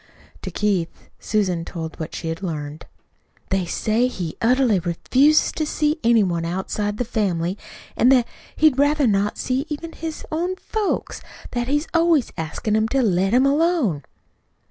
To Keith Susan told what she had learned. "They say he utterly refuses to see any one outside the family; an' that he'd rather not see even his own folks that he's always askin' 'em to let him alone."